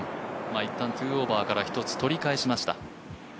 いったん、２オーバーから１つ、取り返しました。